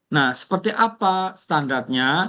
nah seperti apa standarnya